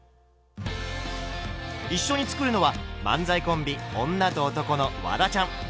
一緒に作るのは漫才コンビ「女と男」のワダちゃん。